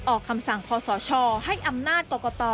ออกคำสั่งคอสชให้อำนาจกรกต